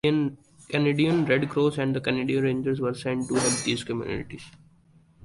Canadian Red Cross and the Canadian Rangers were sent to help these communities.